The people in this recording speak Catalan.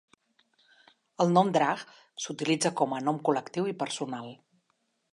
El nom "Drakh" s"utilitza com a nom col·lectiu i personal.